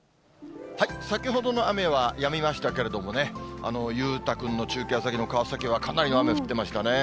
先ほどの雨はやみましたけれどもね、裕太君の中継、さっきの川崎はかなりの雨降ってましたね。